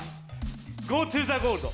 ゴートゥザゴールド。